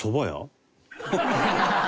ハハハハ！